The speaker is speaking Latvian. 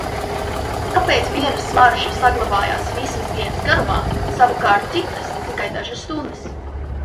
Kāpēc vienas smaržas saglabājas visas dienas garumā, savukārt citas tikai dažas stundas?